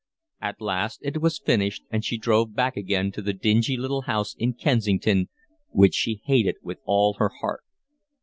At last it was finished, and she drove back again to the dingy little house in Kensington which she hated with all her heart.